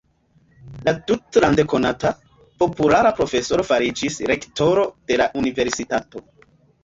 La tutlande konata, populara profesoro fariĝis rektoro de la universitato.